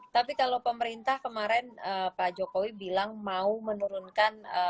tapi kalau pemerintah kemarin pak jokowi bilang mau menurunkan